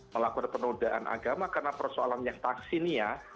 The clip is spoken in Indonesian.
melakukan penodaan agama karena persoalan yang taksinia